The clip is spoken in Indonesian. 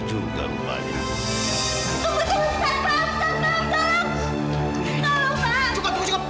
cukup cukup cukup